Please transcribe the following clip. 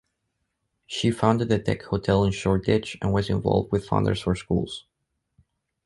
She founded the Tech Hotel in Shoreditch and was involved with Founders for Schools.